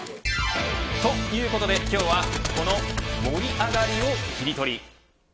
ということで、今日はこの盛り上がりをキリトリ。